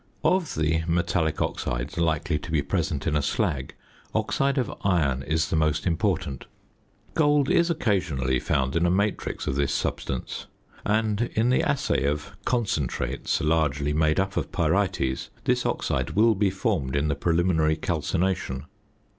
~ Of the metallic oxides likely to be present in a slag, oxide of iron is the most important. Gold is occasionally found in a matrix of this substance, and in the assay of "concentrates" largely made up of pyrites, this oxide will be formed in the preliminary calcination.